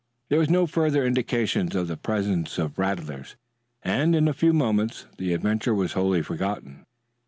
There were no further indications of the presence of rattlers, and in a few moments the adventure was wholly forgotten.